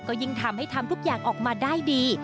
ก็ยิ่งทำให้ทำทุกอย่างออกมาได้ดี